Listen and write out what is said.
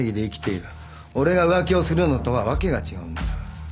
俺が浮気をするのとは訳が違うんだ。